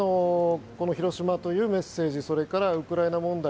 この広島というメッセージそれからウクライナ問題